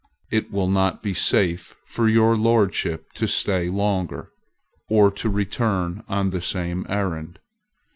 It will not be safe for your Lordship to stay longer, or to return on the same errand.